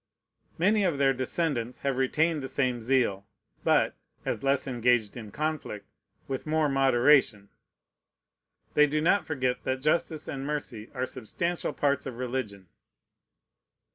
Many of their descendants have retained the same zeal, but (as less engaged in conflict) with more moderation. They do not forget that justice and mercy are substantial parts of religion.